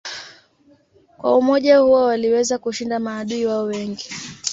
Kwa umoja huo waliweza kushinda maadui wao wengi.